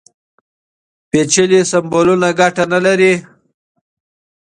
پېچلي سمبولونه ګټه نه لري.